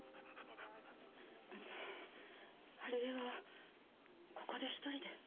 あの春枝はここで一人で？